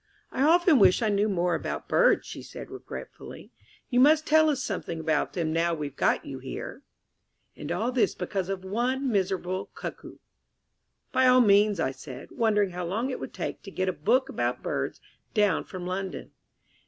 "I often wish I knew more about birds," she said regretfully. "You must tell us something about them now we've got you here." And all this because of one miserable Cuckoo! "By all means," I said, wondering how long it would take to get a book about birds down from London.